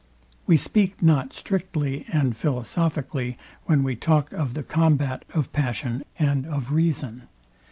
We speak not strictly and philosophically when we talk of the combat of passion and of reason.